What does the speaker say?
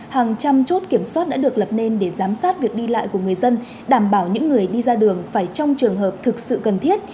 hàng trăm chốt kiểm soát đã được lập nên để giám sát việc đi lại của người dân đảm bảo những người đi ra đường phải trong trường hợp thực sự cần thiết